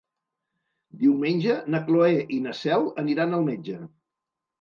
Diumenge na Cloè i na Cel aniran al metge.